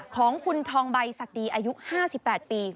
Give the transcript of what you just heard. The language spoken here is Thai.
ของคุณทองใบศักดีอายุ๕๘ปี